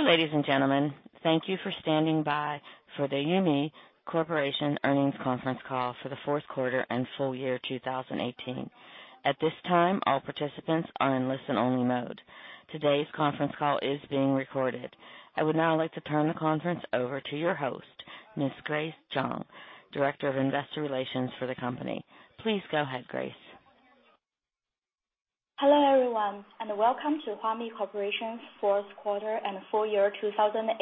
Hello, ladies and gentlemen. Thank you for standing by for the Huami Corporation Earnings Conference Call for the Fourth Quarter and Full Year 2018. At this time, all participants are in listen-only mode. Today's conference call is being recorded. I would now like to turn the conference over to your host, Ms. Grace Zhang, Director of Investor Relations for the company. Please go ahead, Grace. Hello, everyone. Welcome to Huami Corporation's Fourth Quarter and Full Year 2018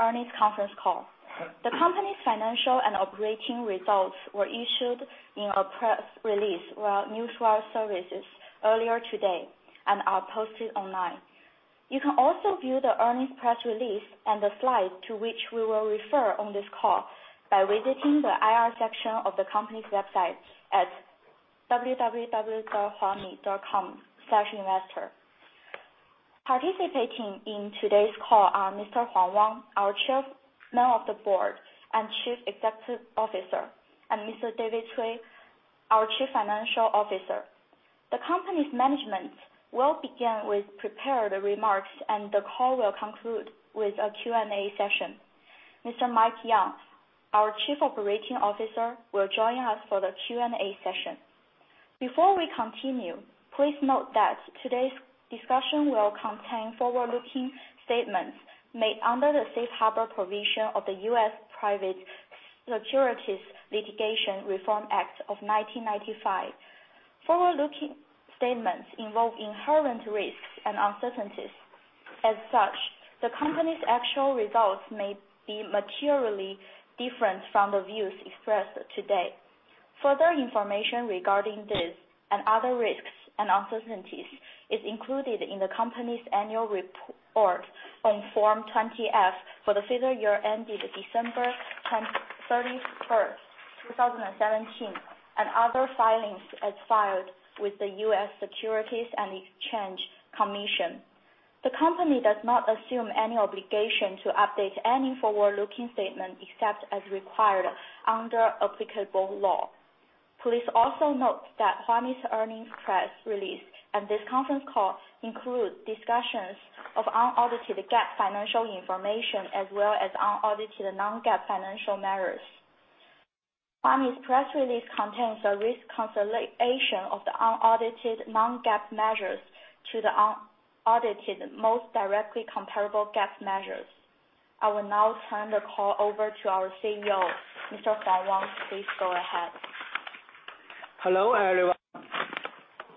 Earnings Conference Call. The company's financial and operating results were issued in a press release via Newswire Services earlier today and are posted online. You can also view the earnings press release and the slides to which we will refer on this call by visiting the IR section of the company's website at www.huami.com/investor. Participating in today's call are Mr. Wang Huang, our Chairman of the Board and Chief Executive Officer, and Mr. David Cui, our Chief Financial Officer. The company's management will begin with prepared remarks, and the call will conclude with a Q&A session. Mr. Mike Yeung, our Chief Operating Officer, will join us for the Q&A session. Before we continue, please note that today's discussion will contain forward-looking statements made under the Safe Harbor provision of the U.S. Private Securities Litigation Reform Act of 1995. Forward-looking statements involve inherent risks and uncertainties. As such, the company's actual results may be materially different from the views expressed today. Further information regarding this and other risks and uncertainties is included in the company's annual report on Form 20-F for the fiscal year ended December 31st, 2017 and other filings as filed with the U.S. Securities and Exchange Commission. The company does not assume any obligation to update any forward-looking statement, except as required under applicable law. Please also note that Huami's earnings press release and this conference call include discussions of unaudited GAAP financial information, as well as unaudited non-GAAP financial measures. Huami's press release contains a reconciliation of the unaudited non-GAAP measures to the audited most directly comparable GAAP measures. I will now turn the call over to our CEO, Mr. Wang Huang. Please go ahead. Hello, everyone.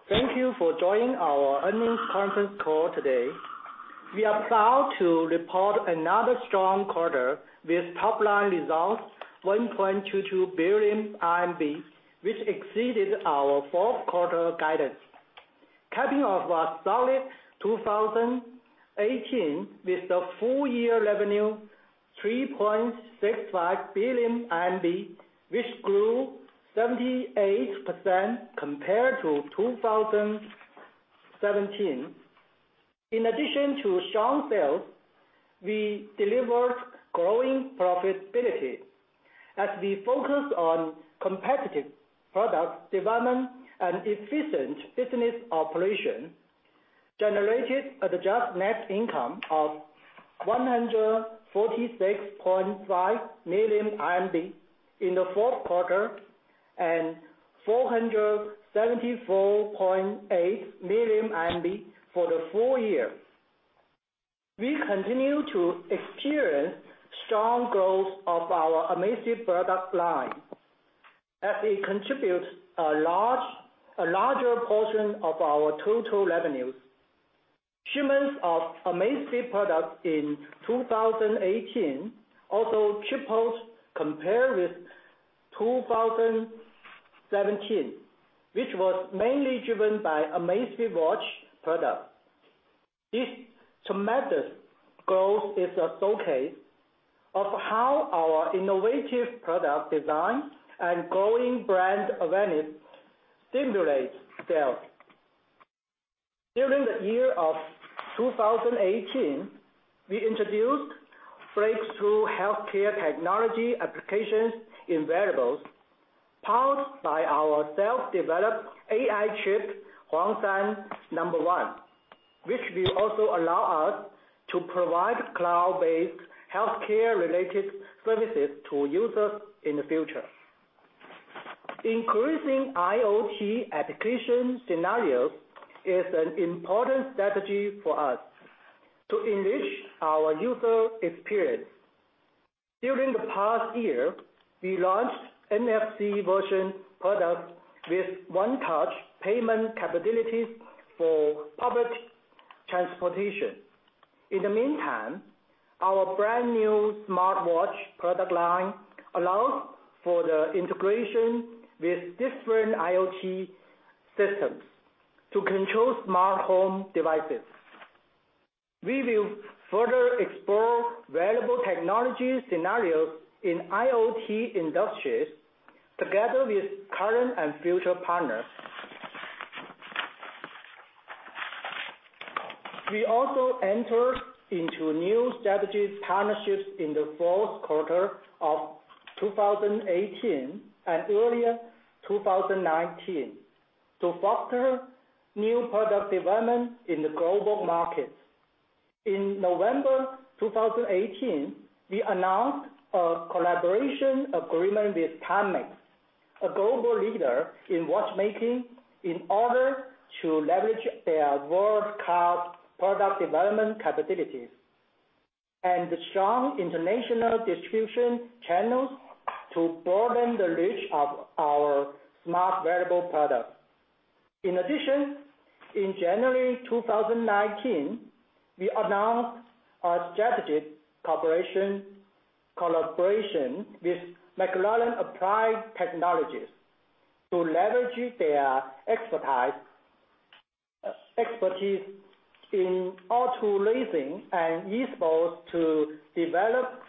Thank you for joining our earnings conference call today. We are proud to report another strong quarter with top-line results, 1.22 billion RMB, which exceeded our fourth quarter guidance, capping off a solid 2018 with a full-year revenue, RMB 3.65 billion, which grew 78% compared to 2017. In addition to strong sales, we delivered growing profitability as we focused on competitive product development and efficient business operation, generated adjusted net income of 146.5 million RMB in the fourth quarter and 474.8 million RMB for the full year. We continue to experience strong growth of our Amazfit product line, as it contributes a larger portion of our total revenues. Shipments of Amazfit products in 2018 also tripled compared with 2017, which was mainly driven by Amazfit watch product. This tremendous growth is a showcase of how our innovative product design and growing brand awareness stimulates sales. During the year of 2018, we introduced breakthrough healthcare technology applications in wearables, powered by our self-developed AI chip, Huangshan No.1, which will also allow us to provide cloud-based healthcare related services to users in the future. Increasing IoT application scenarios is an important strategy for us to enrich our user experience. During the past year, we launched NFC version product with one-touch payment capabilities for public transportation. In the meantime, our brand new smartwatch product line allows for the integration with different IoT systems to control smart home devices. We will further explore wearable technology scenarios in IoT industries together with current and future partners. We also entered into new strategic partnerships in the fourth quarter of 2018 and early 2019 to foster new product development in the global markets. In November 2018, we announced a collaboration agreement with Timex, a global leader in watchmaking, in order to leverage their world-class product development capabilities and strong international distribution channels to broaden the reach of our smart wearable products. In addition, in January 2019, we announced a strategic collaboration with McLaren Applied Technologies to leverage their expertise in auto racing and e-sports to develop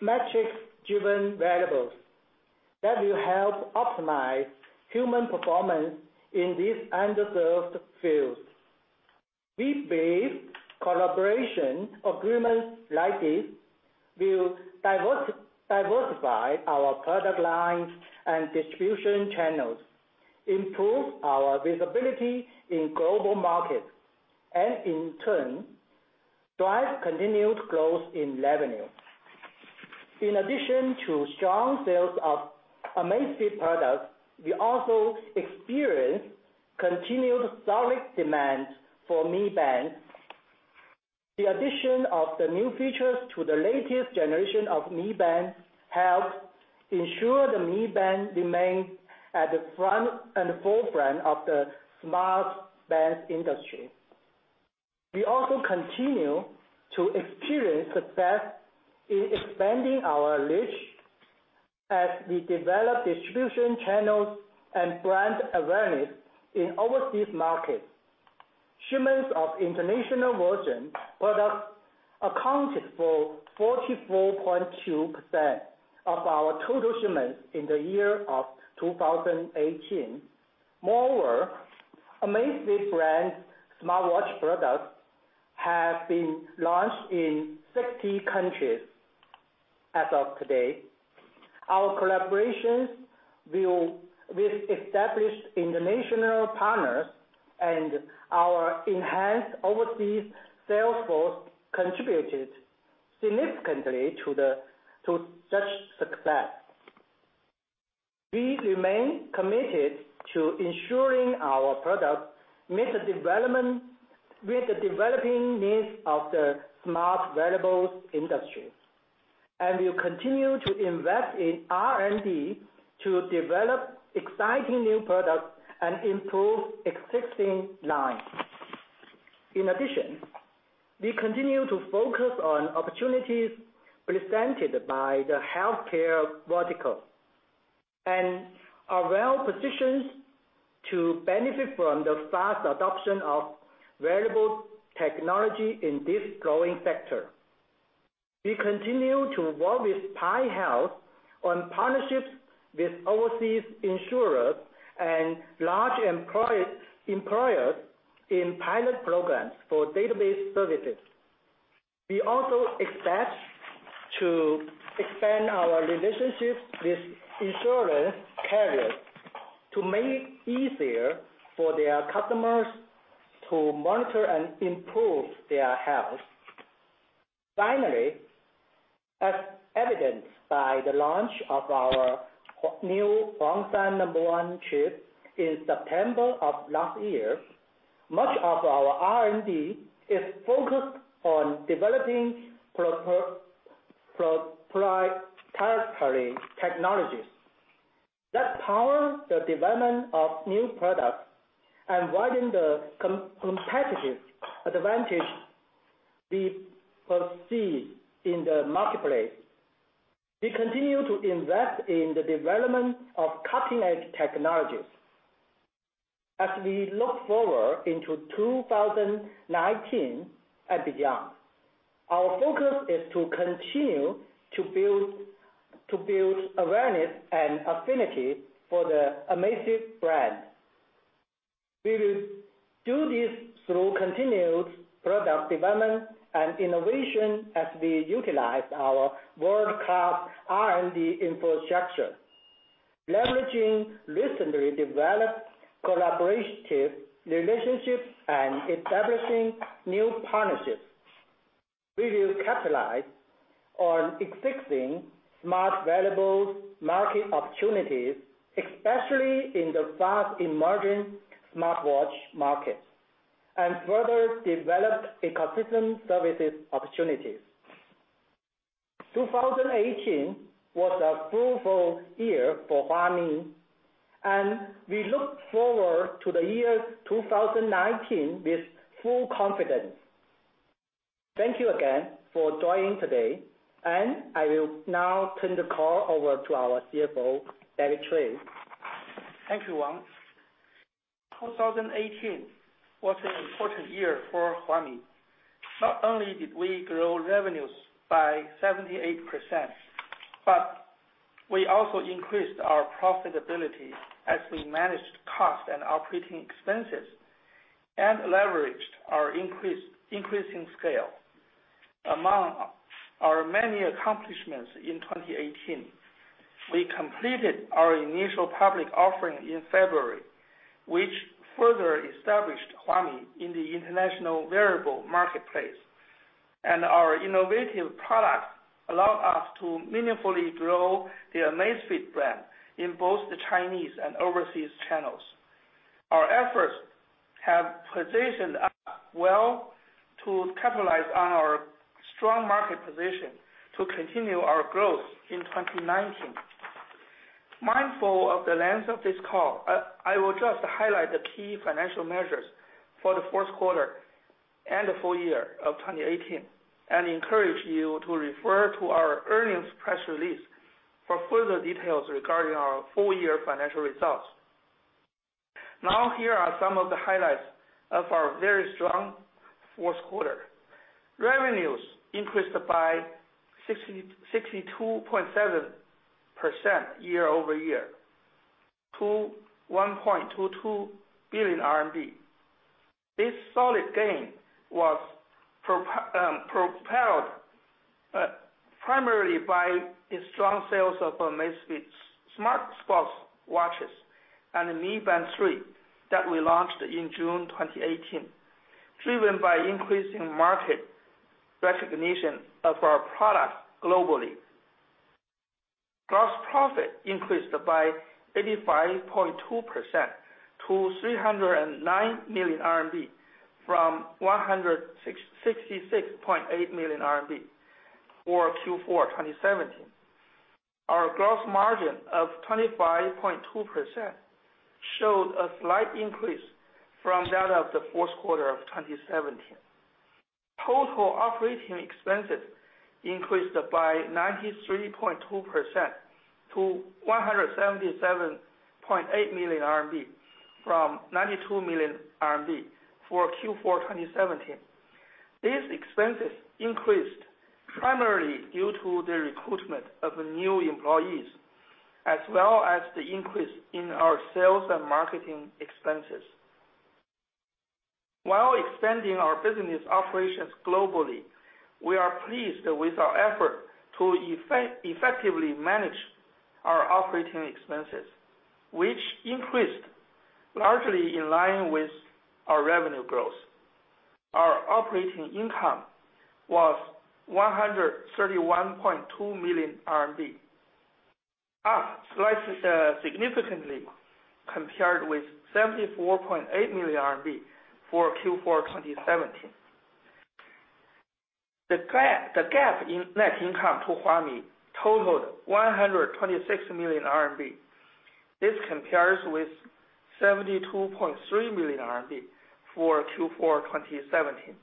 metrics-driven wearables that will help optimize human performance in these underserved fields. We believe collaboration agreements like this will diversify our product lines and distribution channels, improve our visibility in global markets, and in turn, drive continued growth in revenue. In addition to strong sales of Amazfit products, we also experienced continued solid demand for Mi Band. The addition of the new features to the latest generation of Mi Band helped ensure the Mi Band remains at the front and forefront of the smart band industry. We also continue to experience success in expanding our reach as we develop distribution channels and brand awareness in overseas markets. Shipments of international version products accounted for 44.2% of our total shipments in the year of 2018. Moreover, Amazfit brand smartwatch products have been launched in 60 countries as of today. Our collaborations with established international partners and our enhanced overseas sales force contributed significantly to such success. We remain committed to ensuring our product meet the developing needs of the smart wearables industry, and we continue to invest in R&D to develop exciting new products and improve existing lines. In addition, we continue to focus on opportunities presented by the healthcare vertical and are well-positioned to benefit from the fast adoption of wearable technology in this growing sector. We continue to work with PAI Health on partnerships with overseas insurers and large employers in pilot programs for database services. We also expect to expand our relationships with insurance carriers to make it easier for their customers to monitor and improve their health. Finally, as evidenced by the launch of our new Huangshan No.1 chip in September of last year, much of our R&D is focused on developing proprietary technologies that power the development of new products and widen the competitive advantage we foresee in the marketplace. We continue to invest in the development of cutting-edge technologies. As we look forward into 2019 and beyond, our focus is to continue to build awareness and affinity for the Amazfit brand. We will do this through continued product development and innovation as we utilize our world-class R&D infrastructure, leveraging recently developed collaborative relationships and establishing new partnerships. We will capitalize on existing smart wearables market opportunities, especially in the fast-emerging smartwatch market, and further develop ecosystem services opportunities. 2018 was a fruitful year for Huami. We look forward to the year 2019 with full confidence. Thank you again for joining today, and I will now turn the call over to our CFO, David Cui. Thank you, Wang. 2018 was an important year for Huami. Not only did we grow revenues by 78%, we also increased our profitability as we managed cost and operating expenses and leveraged our increasing scale. Among our many accomplishments in 2018, we completed our initial public offering in February, which further established Huami in the international wearable marketplace, and our innovative products allowed us to meaningfully grow the Amazfit brand in both the Chinese and overseas channels. Our efforts have positioned us well to capitalize on our strong market position to continue our growth in 2019. Mindful of the length of this call, I will just highlight the key financial measures for the fourth quarter and the full year of 2018 and encourage you to refer to our earnings press release for further details regarding our full year financial results. Now, here are some of the highlights of our very strong fourth quarter. Revenues increased by 62.7% year-over-year to 1.22 billion RMB. This solid gain was propelled primarily by the strong sales of Amazfit smart sports watches and the Mi Band 3 that we launched in June 2018, driven by increasing market recognition of our products globally. Gross profit increased by 85.2% to 309 million RMB from 166.8 million RMB for Q4 2017. Our gross margin of 25.2% showed a slight increase from that of the fourth quarter of 2017. Total operating expenses increased by 93.2% to 177.8 million RMB from 92 million RMB for Q4 2017. These expenses increased primarily due to the recruitment of new employees, as well as the increase in our sales and marketing expenses. While expanding our business operations globally, we are pleased with our effort to effectively manage our operating expenses, which increased largely in line with our revenue growth. Our operating income was 131.2 million RMB, up significantly compared with 74.8 million RMB for Q4 2017. The GAAP net income to Huami totaled 126 million RMB. This compares with 72.3 million RMB for Q4 2017.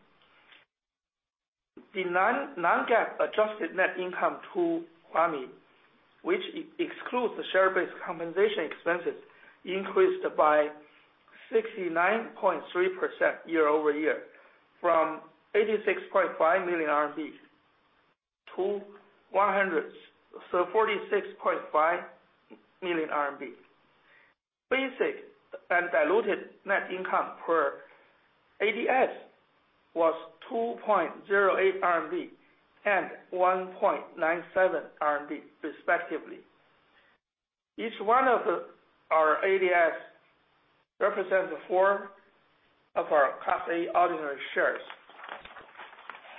The non-GAAP adjusted net income to Huami, which excludes the share-based compensation expenses, increased by 69.3% year-over-year from 86.5 million-146.5 million RMB. Basic and diluted net income per ADS was 2.08 RMB and 1.97 RMB respectively. Each one of our ADS represents four of our Class A ordinary shares.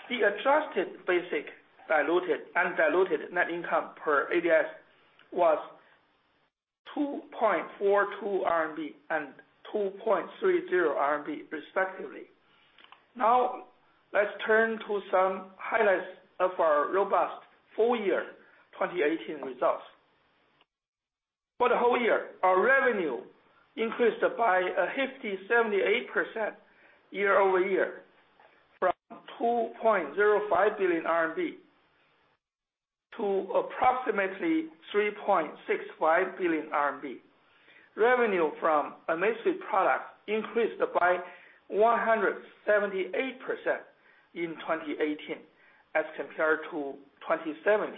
The adjusted basic and diluted net income per ADS was 2.42 RMB and 2.30 RMB respectively. Let's turn to some highlights of our robust full year 2018 results. For the whole year, our revenue increased by 78% year-over-year from 2.05 billion RMB to approximately 3.65 billion RMB. Revenue from Amazfit products increased by 178% in 2018 as compared to 2017.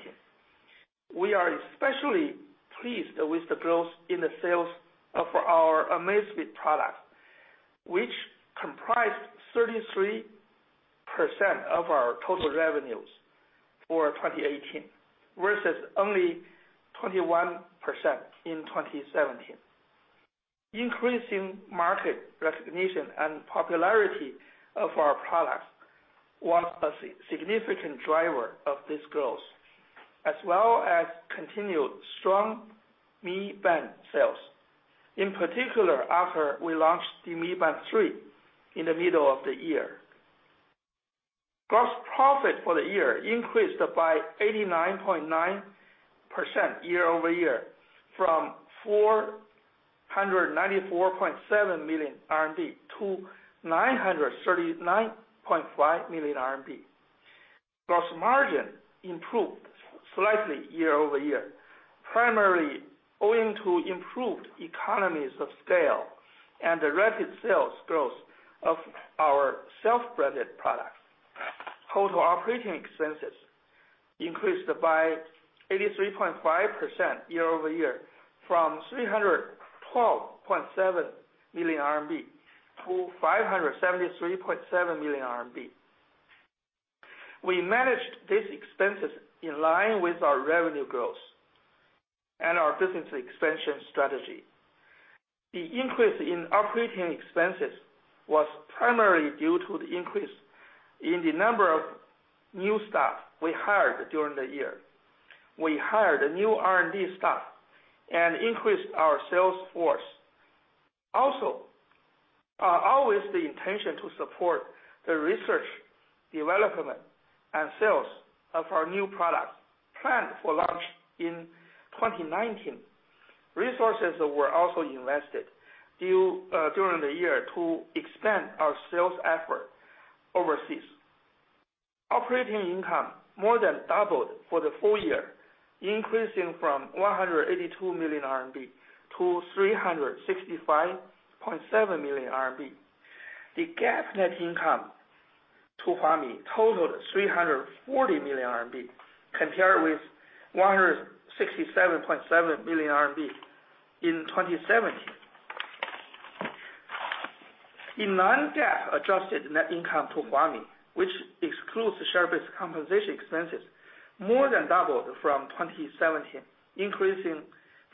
We are especially pleased with the growth in the sales of our Amazfit products, which comprised 33% of our total revenues for 2018 versus only 21% in 2017. Increasing market recognition and popularity of our products was a significant driver of this growth, as well as continued strong Mi Band sales, in particular after we launched the Mi Band 3 in the middle of the year. Gross profit for the year increased by 89.9% year-over-year from 494.7 million-939.5 million RMB. Gross margin improved slightly year-over-year, primarily owing to improved economies of scale and the rapid sales growth of our self-branded products. Total operating expenses increased by 83.5% year-over-year from RMB 312.7 million-RMB 573.7 million. We managed these expenses in line with our revenue growth and our business expansion strategy. The increase in operating expenses was primarily due to the increase in the number of new staff we hired during the year. We hired new R&D staff and increased our sales force. Also, our intention to support the research, development, and sales of our new products planned for launch in 2019. Resources were also invested during the year to expand our sales effort overseas. Operating income more than doubled for the full year, increasing from 182 million-365.7 million RMB. The GAAP net income to Huami totaled 340 million RMB, compared with 167.7 million RMB in 2017. The non-GAAP adjusted net income to Huami, which excludes the share-based compensation expenses, more than doubled from 2017, increasing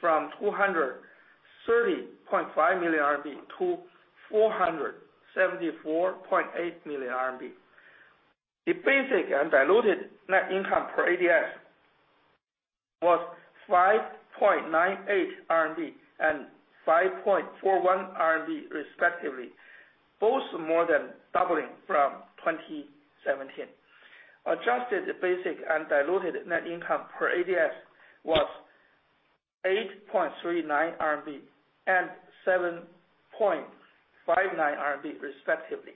from 230.5 million-474.8 million RMB. The basic and diluted net income per ADS was 5.98 RMB and 5.41 RMB respectively, both more than doubling from 2017. Adjusted basic and diluted net income per ADS was 8.39 RMB and 7.59 RMB respectively.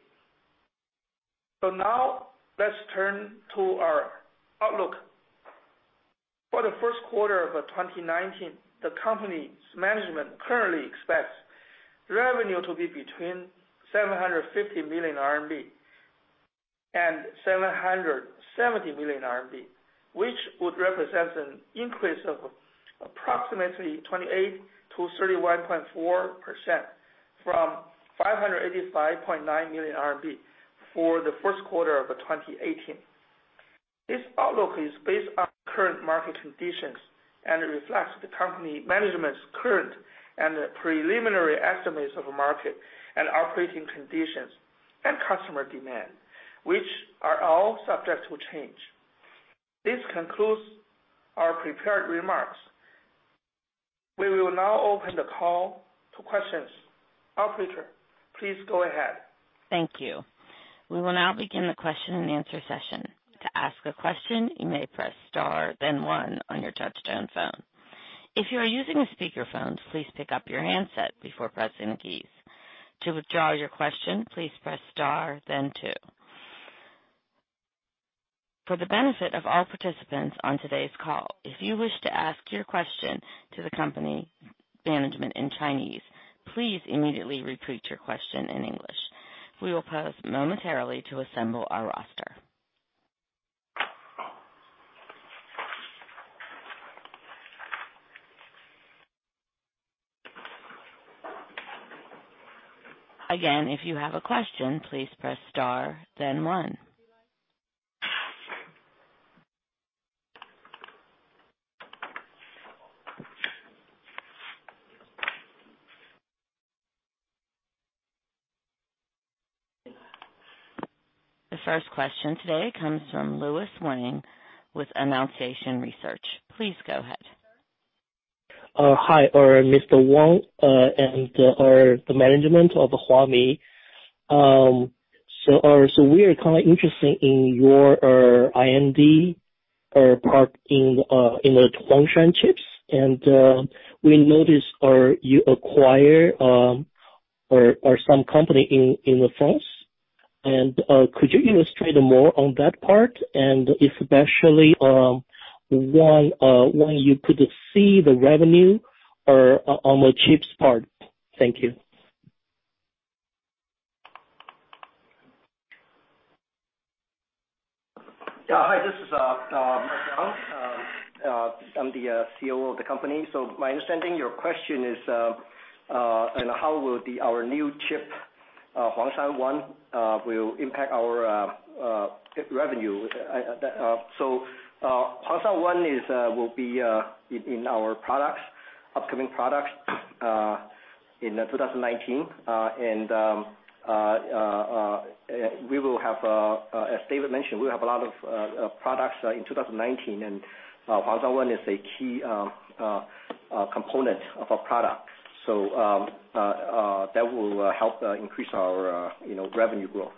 Now let's turn to our outlook. For the first quarter of 2019, the company's management currently expects revenue to be between 750 million RMB and 770 million RMB, which would represent an increase of approximately 28%-31.4% from 585.9 million RMB for the first quarter of 2018. This outlook is based on current market conditions and reflects the company management's current and preliminary estimates of market and operating conditions and customer demand, which are all subject to change. This concludes our prepared remarks. We will now open the call to questions. Operator, please go ahead. Thank you. We will now begin the question-and-answer session. To ask a question, you may press star then one on your touchtone phone. If you are using a speakerphone, please pick up your handset before pressing the keys. To withdraw your question, please press star then two. For the benefit of all participants on today's call, if you wish to ask your question to the company management in Chinese, please immediately repeat your question in English. We will pause momentarily to assemble our roster. Again, if you have a question, please press star then one. The first question today comes from Louis Wang with Annunciation Research. Please go ahead. Hi, Mr. Wang, and the management of Huami. We are kind of interested in your R&D part in the Huangshan chips. We noticed you acquire some company in France. Could you illustrate more on that part? Especially, when you could see the revenue on the chips part? Thank you. Yeah. Hi, this is Mike Yeung. I'm the COO of the company. My understanding, your question is in how will our new chip, Huangshan-1, will impact our revenue. Huangshan-1 will be in our upcoming products in 2019. As David mentioned, we will have a lot of products in 2019, and Huangshan-1 is a key component of our product. That will help increase our revenue growth.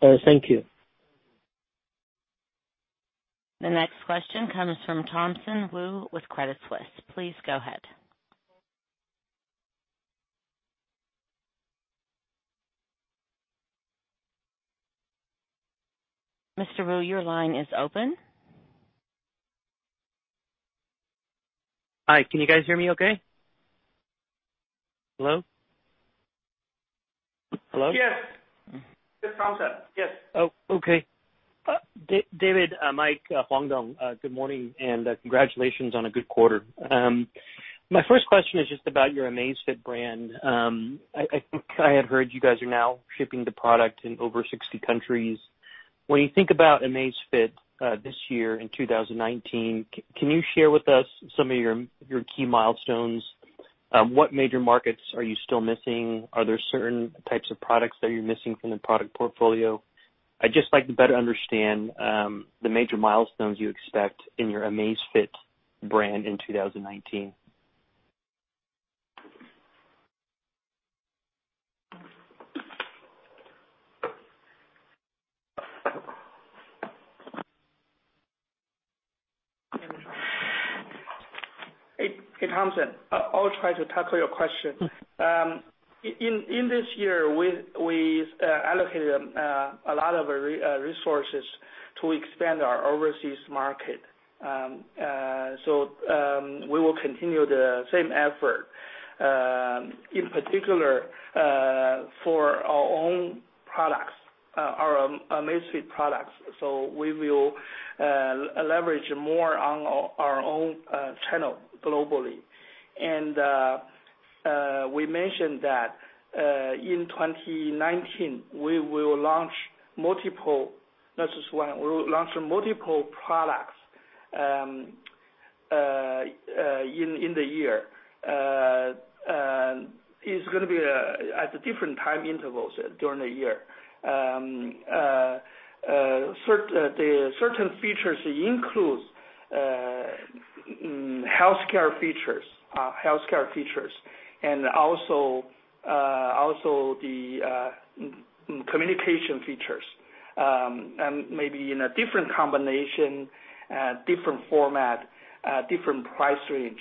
Thank you. The next question comes from Thompson Wu with Credit Suisse. Please go ahead. Mr. Wu, your line is open. Hi, can you guys hear me okay? Hello? Hello? Yes. This is Thompson. Yes. Oh, okay. David, Mike Wang Huang. Good morning. Congratulations on a good quarter. My first question is just about your Amazfit brand. I think I had heard you guys are now shipping the product in over 60 countries. When you think about Amazfit this year in 2019, can you share with us some of your key milestones? What major markets are you still missing? Are there certain types of products that you're missing from the product portfolio? I'd just like to better understand the major milestones you expect in your Amazfit brand in 2019. Hey, Thompson. I'll try to tackle your question. In this year, we allocated a lot of resources to expand our overseas market. We will continue the same effort, in particular, for our own products, our Amazfit products. We will leverage more on our own channel globally. We mentioned that in 2019, we will launch multiple, not just one, we will launch multiple products in the year. It's going to be at different time intervals during the year. Certain features include healthcare features and also the communication features. Maybe in a different combination, different format, different price range.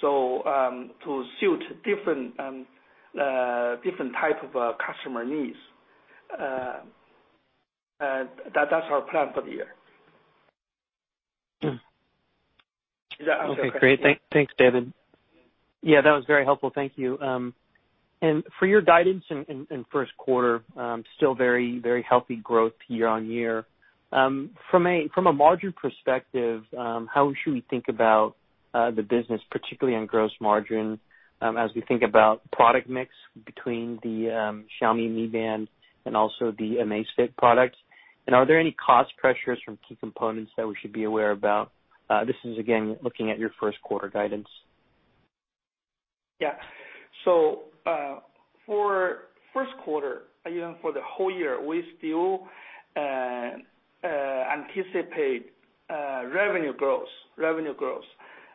To suit different type of customer needs. That's our plan for the year. Does that answer your question? Okay, great. Thanks, David. Yeah, that was very helpful. Thank you. For your guidance in first quarter, still very healthy growth year-over-year. From a margin perspective, how should we think about the business, particularly on gross margin, as we think about product mix between the Xiaomi Mi Band and also the Amazfit products? Are there any cost pressures from key components that we should be aware about? This is again, looking at your first quarter guidance. Yeah. For first quarter, even for the whole year, we still anticipate revenue growth. For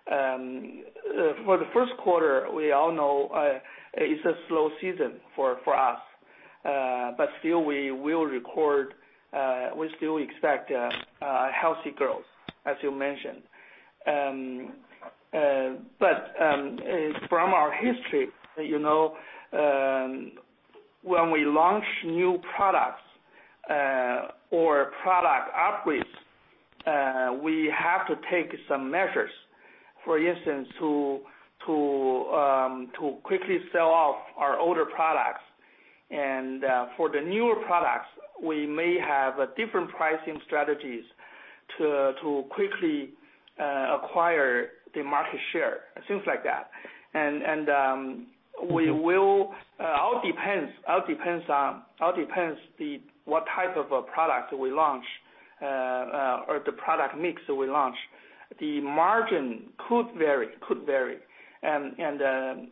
the first quarter, we all know it's a slow season for us, but still, we still expect healthy growth, as you mentioned. From our history when we launch new products or product upgrades, we have to take some measures. For instance, to quickly sell off our older products. For the newer products, we may have different pricing strategies to quickly acquire the market share. Things like that. All depends on what type of a product we launch or the product mix we launch. The margin could vary when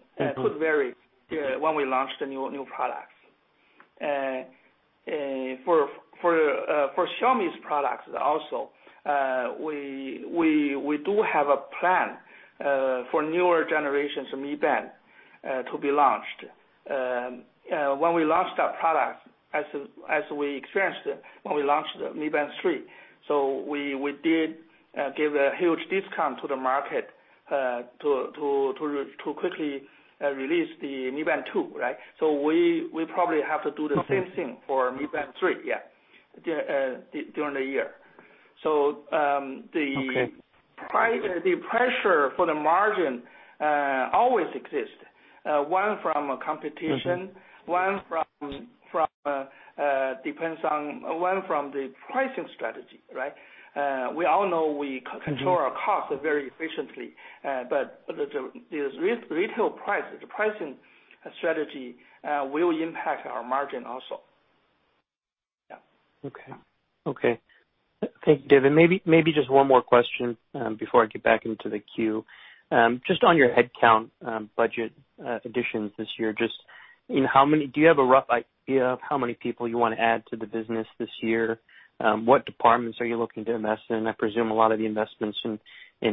we launch the new products. For Xiaomi's products also, we do have a plan for newer generations of Mi Band to be launched. When we launched that product, as we experienced when we launched Mi Band 3, we did give a huge discount to the market to quickly release the Mi Band 2, right? We probably have to do the same thing for Mi Band 3, yeah, during the year. Okay. The pressure for the margin always exists. One from competition. One from the pricing strategy, right? We all know we control our costs very efficiently. The retail price, the pricing strategy will impact our margin also. Yeah. Okay. Thank you, David. Maybe just one more question before I get back into the queue. Just on your headcount budget additions this year, do you have a rough idea of how many people you want to add to the business this year? What departments are you looking to invest in? I presume a lot of the investments in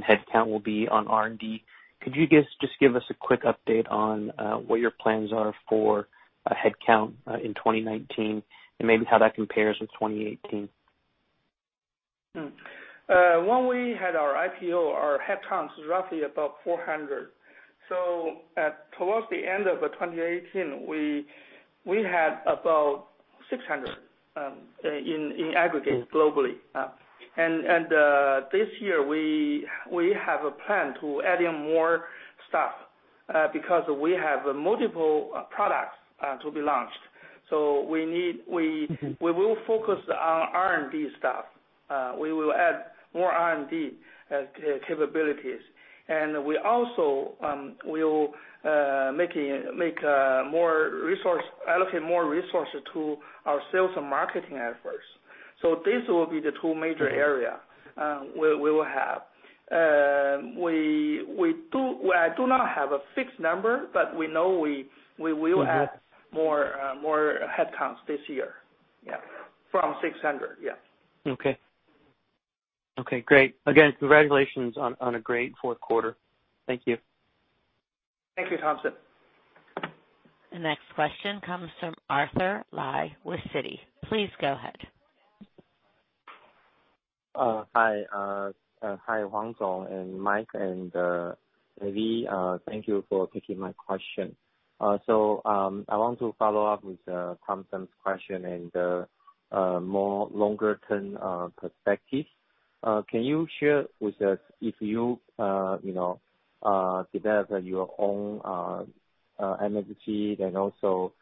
headcount will be on R&D. Could you just give us a quick update on what your plans are for headcount in 2019 and maybe how that compares with 2018? When we had our IPO, our head counts roughly about 400. Towards the end of 2018, we had about 600 in aggregate globally. This year, we have a plan to add in more staff, because we have multiple products to be launched. We will focus on R&D staff. We will add more R&D capabilities, and we also will allocate more resources to our sales and marketing efforts. This will be the two major area we will have. I do not have a fixed number, but we know we will add more headcounts this year. Yeah. From 600. Yeah. Okay. Okay, great. Again, congratulations on a great fourth quarter. Thank you. Thank you, Thompson. The next question comes from Arthur Lai with Citi. Please go ahead. Hi, Huang and Mike and Cui. Thank you for taking my question. I want to follow up with Thompson's question and more longer-term perspective. Can you share with us if you develop your own ASIC, then also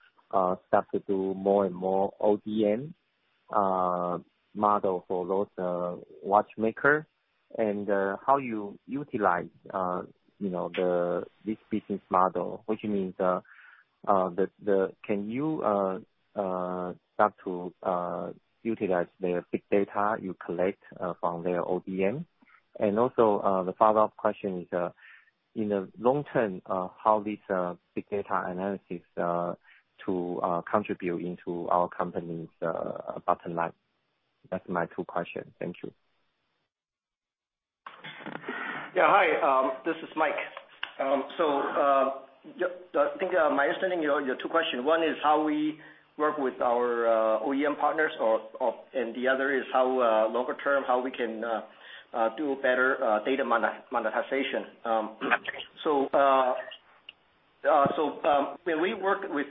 start to do more and more ODM model for those watchmakers and how you utilize this business model? Which means, can you start to utilize their big data you collect from their ODM? Also, the follow-up question is, in the long term, how this big data analysis to contribute into our company's bottom line? That's my two questions. Thank you. Hi, this is Mike. I think my understanding your two question, one is how we work with our OEM partners, and the other is longer term, how we can do better data monetization. When we work with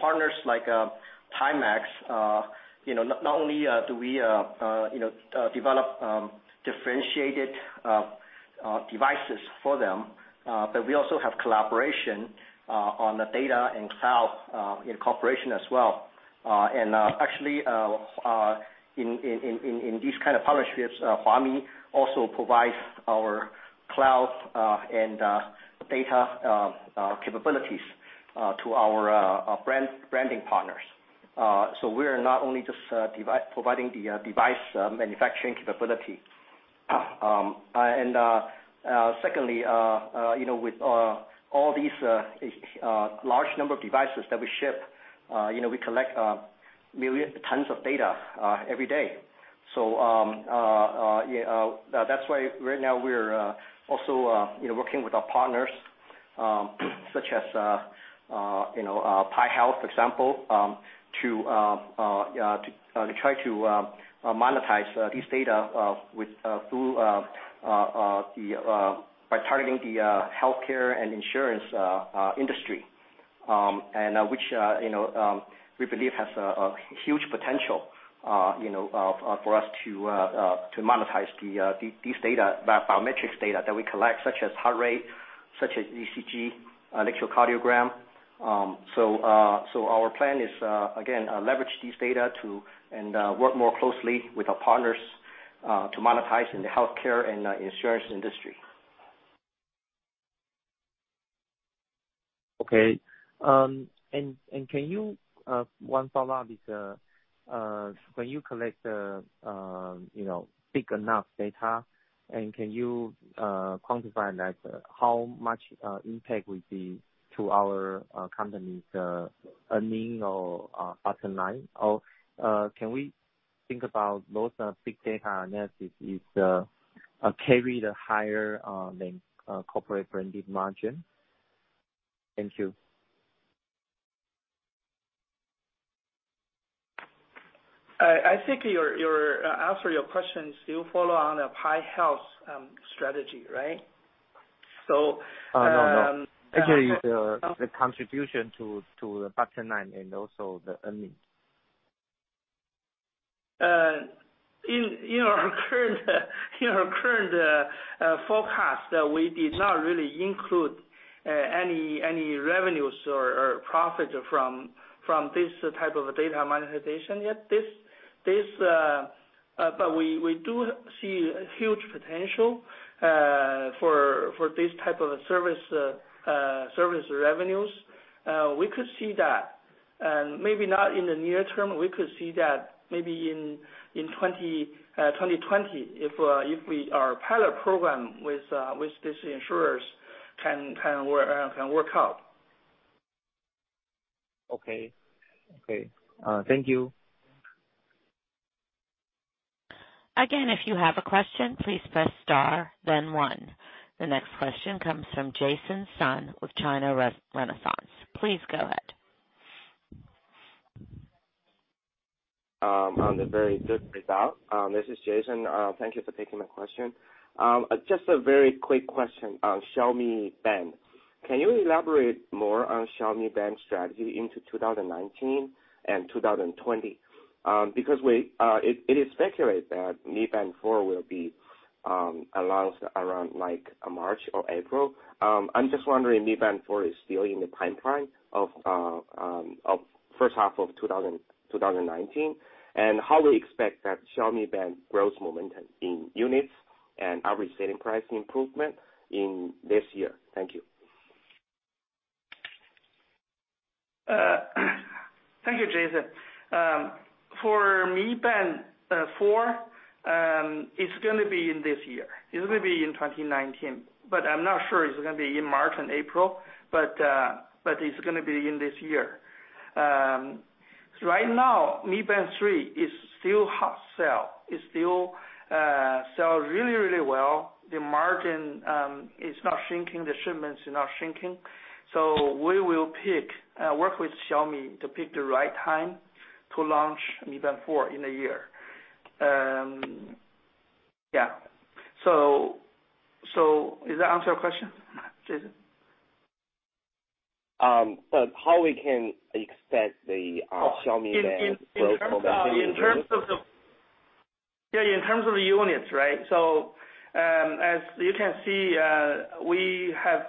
partners like Timex, not only do we develop differentiated devices for them, but we also have collaboration on the data and cloud in cooperation as well. In these kind of partnerships, Huami also provides our cloud and data capabilities to our branding partners. We're not only just providing the device manufacturing capability. Secondly, with all these large number of devices that we ship, we collect tons of data every day. That's why right now we're also working with our partners, such as PAI Health, for example, to try to monetize this data by targeting the healthcare and insurance industry, and which we believe has a huge potential for us to monetize these data, biometrics data that we collect, such as heart rate, such as ECG, electrocardiogram. Our plan is, again, leverage these data and work more closely with our partners, to monetize in the healthcare and insurance industry. Okay. One follow-up is, when you collect big enough data, and can you quantify that, how much impact will be to our company's earning or bottom line? Can we think about those big data analysis carry the higher link corporate branded margin? Thank you. I think your answer, your questions still follow on the PAI Health strategy, right? No. Actually, the contribution to the bottom line and also the earnings. In our current forecast, we did not really include any revenues or profits from this type of data monetization yet. We do see a huge potential for this type of service revenues. We could see that, and maybe not in the near term. We could see that maybe in 2020 if our pilot program with these insurers can work out. Okay. Thank you. Again, if you have a question, please press star then one. The next question comes from Jason Sun with China Renaissance. Please go ahead. On the very good result. This is Jason. Thank you for taking my question. Just a very quick question on Xiaomi Band. Can you elaborate more on Xiaomi Band strategy into 2019 and 2020? Because it is speculated that Mi Band 4 will be announced around March or April. I'm just wondering, Mi Band 4 is still in the pipeline of first half of 2019? How do you expect that Xiaomi Band growth momentum in units and average selling price improvement in this year? Thank you. Thank you, Jason. For Mi Band 4, it's going to be in this year. It will be in 2019, I'm not sure it's going to be in March and April, it's going to be in this year. Right now, Mi Band 3 is still hot sell. It still sells really, really well. The margin is not shrinking. The shipments are not shrinking. We will work with Xiaomi to pick the right time to launch Mi Band 4 in the year. Yeah. Does that answer your question, Jason? How we can expect the Mi Band growth momentum- In terms of the units, right? As you can see, we have,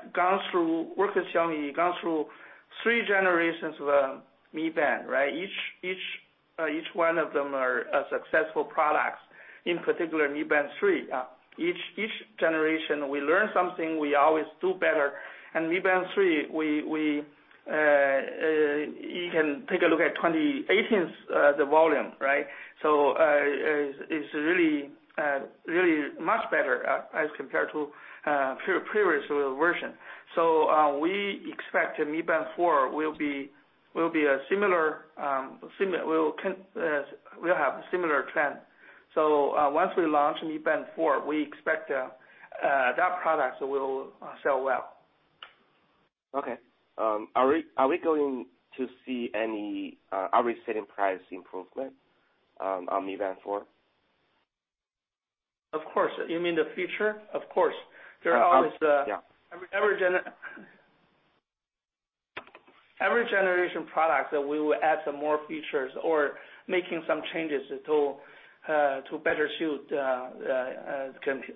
work with Xiaomi, gone through three generations of Mi Band, right? Each one of them are successful products. In particular, Mi Band 3. Each generation, we learn something, we always do better, Mi Band 3, you can take a look at 2018's, the volume, right? It's really much better as compared to previous version. We expect Mi Band 4 will have similar trend. Once we launch Mi Band 4, we expect that product will sell well. Okay. Are we going to see any average selling price improvement on Mi Band 4? Of course. You mean the feature? Of course. Yeah. Every generation products, we will add some more features or making some changes to better suit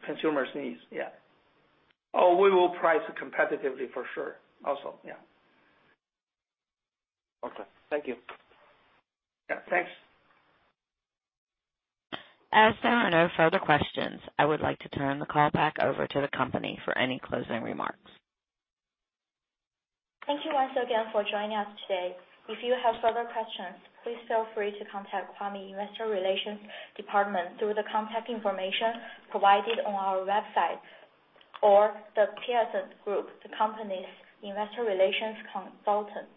consumers needs. Yeah. We will price competitively for sure also. Yeah. Okay. Thank you. Yeah, thanks. As there are no further questions, I would like to turn the call back over to the company for any closing remarks. Thank you once again for joining us today. If you have further questions, please feel free to contact Huami Investor Relations Department through the contact information provided on our website, or The Piacente Group, the company's investor relations consultant.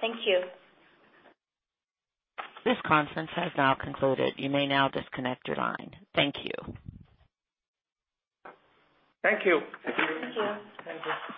Thank you. This conference has now concluded. You may now disconnect your line. Thank you. Thank you. Thank you. Thank you.